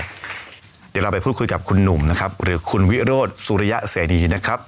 เดี๋ยวเราไปพูดคุยกับคุณหนุ่มนะครับหรือคุณวิโรธสุริยะเสรีนะครับ